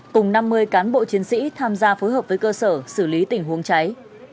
cùng năm mươi cán bộ chiến sĩ tham gia phối hợp với cơ sở xử lý tình huống cháy